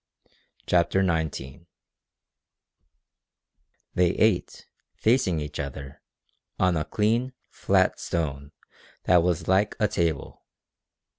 CHAPTER XIX They ate, facing each other, on a clean, flat stone that was like a table.